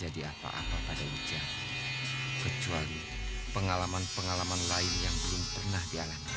apa apa pada hujan kecuali pengalaman pengalaman lain yang belum pernah dialami